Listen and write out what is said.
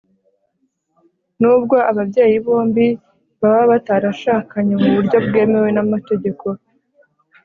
n'ubwo ababyeyi bombi baba batarashakanye mu buryo bwemewe n'amategeko